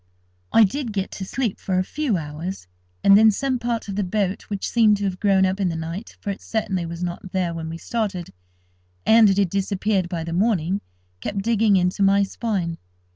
I did get to sleep for a few hours, and then some part of the boat which seemed to have grown up in the night—for it certainly was not there when we started, and it had disappeared by the morning—kept digging into my spine.